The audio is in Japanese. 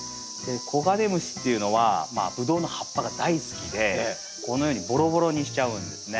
コガネムシっていうのはブドウの葉っぱが大好きでこのようにボロボロにしちゃうんですね。